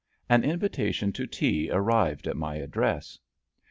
An invitation to tea arrived at my address.